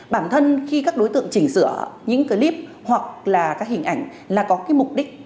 bản thân khi các đối tượng chỉnh sửa những clip hoặc là các hình ảnh là có cái mục đích